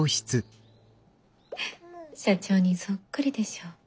社長にそっくりでしょ。